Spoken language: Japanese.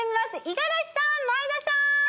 五十嵐さん前田さん